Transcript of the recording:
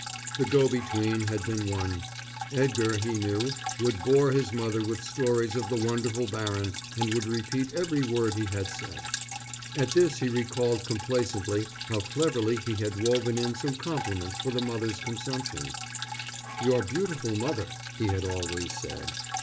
The go between had been won. Edgar, he knew, would bore his mother with stories of the wonderful baron and would repeat every word he had said. At this he recalled complacently how cleverly he had woven in some compliments for the mother's consumption. "Your beautiful mother," he had always said.